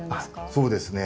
そうですね。